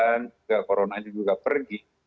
juga coronanya juga pergi